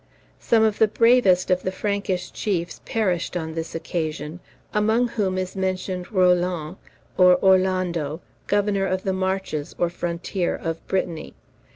Some of the bravest of the Frankish chiefs perished on this occasion, among whom is mentioned Roland or Orlando, governor of the marches or frontier of Brittany.